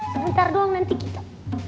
sebentar doang nanti kita